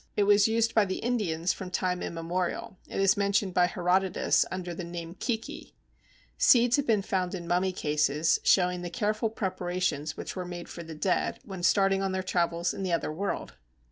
It was used by the Indians from time immemorial; it is mentioned by Herodotus (under the name Kiki); seeds have been found in mummy cases, showing the careful preparations which were made for the dead when starting on their travels in the other world!